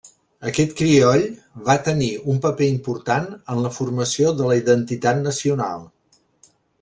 Aquest crioll va tenir un paper important en la formació de la identitat nacional.